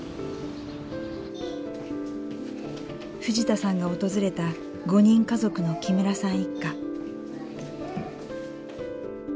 藤田さんが訪れた５人家族の木村さん一家。